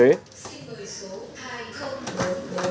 xin gửi số hai nghìn một mươi một